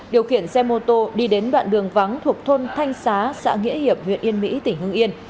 điều khiển xe mô tô đi đến đoạn đường vắng thuộc thôn thanh xá xã nghĩa hiệp huyện yên mỹ tỉnh hương yên